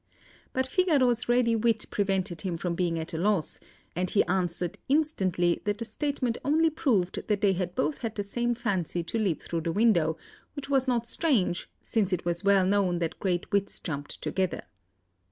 But Figaro's ready wit prevented him from being at a loss, and he answered instantly that the statement only proved that they had both had the same fancy to leap through the window, which was not strange, since it was well known that great wits jumped together.